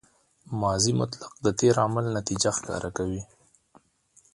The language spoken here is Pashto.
ماضي مطلق د تېر عمل نتیجه ښکاره کوي.